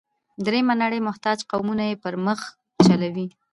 درېیمه نړۍ محتاج قومونه یې پر مخ چلوي.